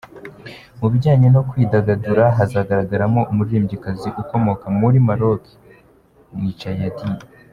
Mu bijyanye no kwidagadura, hazagaragaramo umuririmbyikazi ukomoka muri Maroc, Nachaydi.